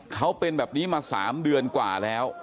เขาเป็นแบบนี้มา๓เดือนกว่าแล้ว